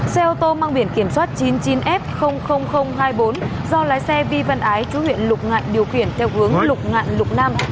xe ô tô mang biển kiểm soát chín mươi chín f hai mươi bốn do lái xe vi văn ái chú huyện lục ngạn điều khiển theo hướng lục ngạn lục nam